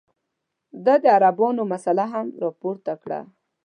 ده د عربانو مسله هم راپورته کړه.